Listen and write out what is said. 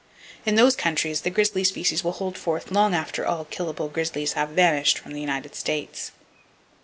In those countries, the grizzly species will hold forth long after all killable grizzlies have vanished from the United States.